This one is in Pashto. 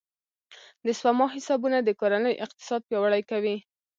د سپما حسابونه د کورنۍ اقتصاد پیاوړی کوي.